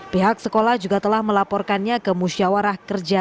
pihak sekolah juga telah melaporkannya ke musyawarah kerja